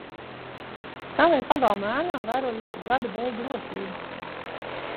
Stāvēju pagalma ēnā, vērojot gada beigu rosību.